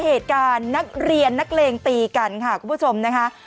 เหตุการณ์นักเรียนนักเลงตีกันค่ะคุณผู้ชมนะคะ